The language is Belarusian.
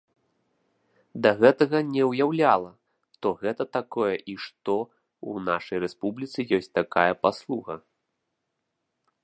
Да гэтага не ўяўляла, то гэта такое і што ў нашай рэспубліцы ёсць такая паслуга.